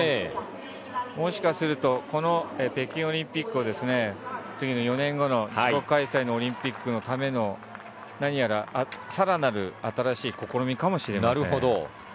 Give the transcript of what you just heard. もしかするとこの北京オリンピックを次の４年後の自国開催のオリンピックのための何やら更なる新しい試みかもしれません。